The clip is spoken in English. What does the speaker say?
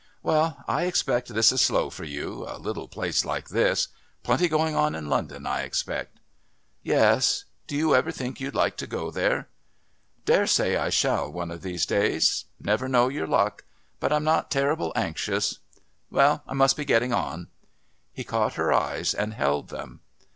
"Well, I expect this is slow for you, a little place like this. Plenty going on in London, I expect." "Yes. Do you ever think you'd like to go there?" "Daresay I shall one of these days. Never know your luck. But I'm not terrible anxious.... Well, I must be getting on." He caught her eyes and held them.